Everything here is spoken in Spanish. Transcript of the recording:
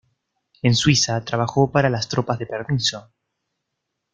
En Suiza trabajó para las tropas de permiso.